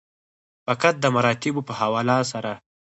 فقط د مراتبو په حواله سره.